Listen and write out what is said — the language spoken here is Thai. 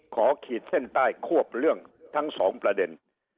ขีดเส้นใต้ควบเรื่องทั้งสองประเด็น